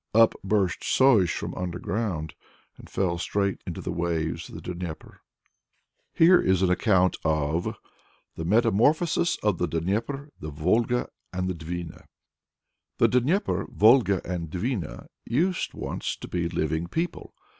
Up burst Sozh from underground, and fell straight into the waves of the Dnieper. Here is an account of THE METAMORPHOSIS OF THE DNIEPER, THE VOLGA, AND THE DVINA. The Dnieper, Volga, and Dvina used once to be living people.